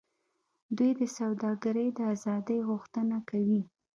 دوی د سوداګرۍ د آزادۍ غوښتنه کوي